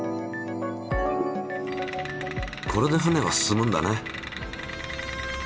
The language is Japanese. これで船は進むんだね。